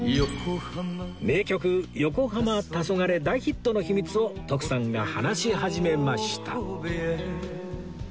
名曲『よこはま・たそがれ』大ヒットの秘密を徳さんが話し始めました